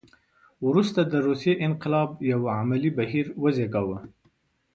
وروسته د روسیې انقلاب یو عملي بهیر وزېږاوه.